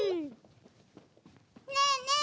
ねえねえ